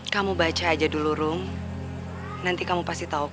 kamu baca aja dulu room nanti kamu pasti tahu